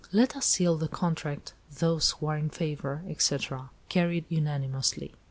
"Let us seal the contract, those who are in favour, etc. Carried unanimously!"